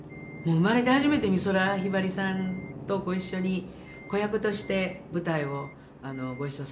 生まれて初めて美空ひばりさんとご一緒に子役として舞台をご一緒させていただきました。